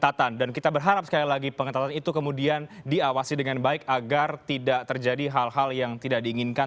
catatan dan kita berharap sekali lagi pengetatan itu kemudian diawasi dengan baik agar tidak terjadi hal hal yang tidak diinginkan